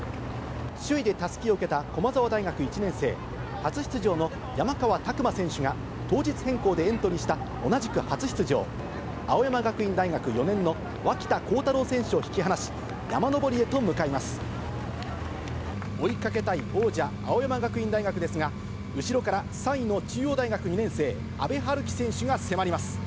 首位でたすきを受けた駒澤大学１年生、初出場の山川拓馬選手が、当日変更でエントリーした同じく初出場、青山学院大学４年の脇田幸太朗選手を引き離し、山上りへと向かい追いかけたい王者、青山学院大学ですが、後ろから３位の中央大学２年生、阿部陽樹選手が迫ります。